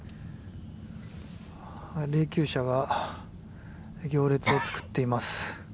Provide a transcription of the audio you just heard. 霊柩車が行列を作っています。